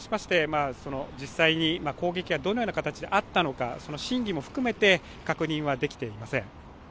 実際に攻撃がどのような形であったのかその真偽も含めて確認はできていません。